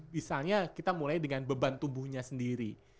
misalnya kita mulai dengan beban tubuhnya sendiri